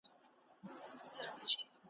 پام به کوو، چي څوک مو په غوړو خبرو خطا نکړي.